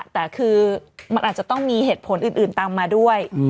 แต่คือมันอาจจะต้องมีเหตุผลอื่นตามมาด้วย